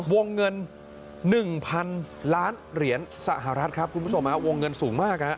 วงเงิน๑๐๐๐ล้านเหรียญสหรัฐครับคุณผู้ชมฮะวงเงินสูงมาก